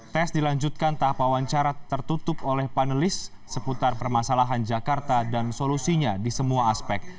tes dilanjutkan tahap wawancara tertutup oleh panelis seputar permasalahan jakarta dan solusinya di semua aspek